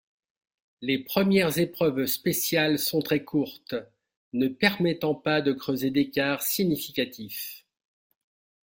Les premières épreuves spéciales sont très courtes, ne permettant pas de creuser d'écart significatif.